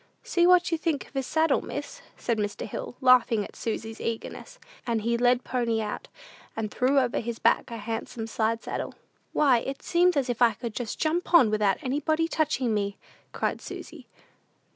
"See what you think of his saddle, miss," said Mr. Hill, laughing at Susy's eagerness; and he led pony out, and threw over his back a handsome side saddle. "Why, it seems as if I could just jump on without anybody touching me," cried Susy.